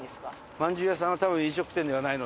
まんじゅう屋さんは多分飲食店ではないので。